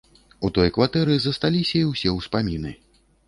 У той кватэры засталіся і ўсе ўспаміны.